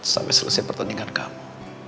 sampai selesai pertandingan kamu